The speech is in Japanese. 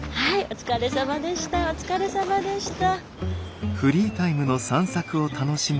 お疲れさまでした。